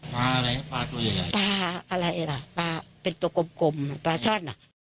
ปลาอะไรปลาตัวใหญ่ปลาอะไรล่ะปลาเป็นตัวกลมกลมปลาช่อนอ่ะ